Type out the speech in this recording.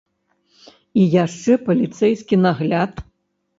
І яшчэ паліцэйскі нагляд.